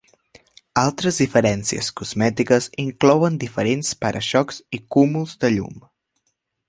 Altres diferències cosmètiques inclouen diferents para-xocs i cúmuls de llum.